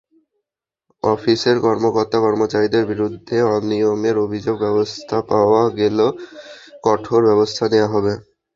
অফিসের কর্মকর্তা-কর্মচারীদের বিরুদ্ধে অনিয়মের অভিযোগ পাওয়া গেলে কঠোর ব্যবস্থা নেওয়া হবে।